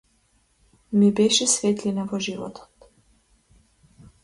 Ми беше светлина во животот.